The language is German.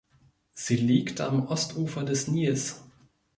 Sie liegt am Ostufer des Nils.